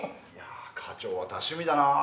課長は多趣味だな。